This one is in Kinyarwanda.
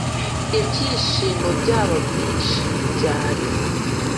Ibyishimo byabo byinshi byari